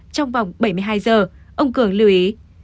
trong vòng bảy mươi hai giờ ông cường lưu ý